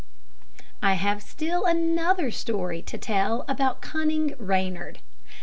I have still another story to tell about cunning Reynard.